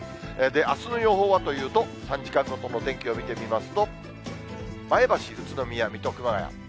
あすの予報はというと、３時間ごとの天気を見てみますと、前橋、宇都宮、水戸、熊谷。